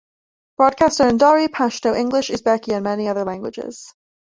Broadcasts are in Dari, Pashto, English, Uzbeki and many other languages.